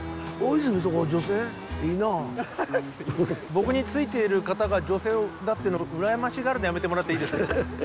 僕についている方が女性だっていうのを羨ましがるのやめてもらっていいですか。